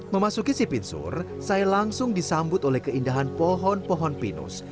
memasuki sipinsur saya langsung disambut oleh keindahan pohon pohon pinus